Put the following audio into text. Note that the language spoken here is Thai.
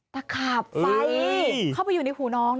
ตะขาบไฟเข้าไปอยู่ในหูน้อง